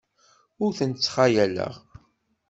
Ur tent-ttxayaleɣ.